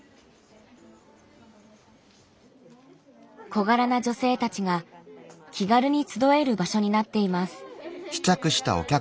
小柄な女性たちが気軽に集える場所になっています。